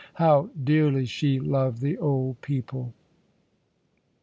How dearly she loved the old people!